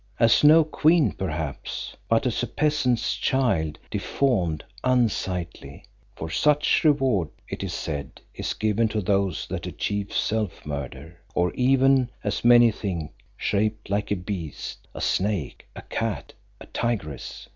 As no queen perhaps, but as a peasant's child, deformed, unsightly; for such reward, it is said, is given to those that achieve self murder. Or even, as many think, shaped like a beast a snake, a cat, a tigress!